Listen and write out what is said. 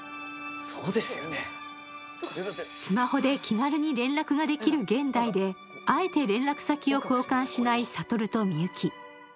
スマホで気軽に連絡ができる現代であえて連絡先を交換しない悟とみゆき。